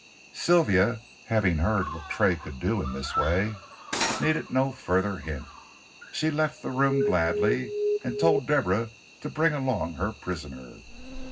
Sylvia, having heard what Tray could do in this way, needed no further hint. She left the room gladly, and told Deborah to bring along her prisoner.